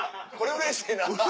うれしい。